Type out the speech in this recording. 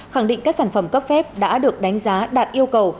khẳng định các sản phẩm cấp phép đã được đánh giá đạt yêu cầu